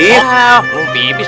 nggak belum pipis